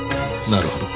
なるほど。